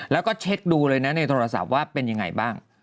แล้วก็เช็คดูเลยนะในโทรศัพท์ว่าเป็นยังไงบ้าง